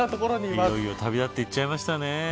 いよいよ旅立って行っちゃいましたね。